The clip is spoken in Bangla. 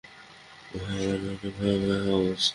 উহা মনের এক ভয়াবহ অবস্থা।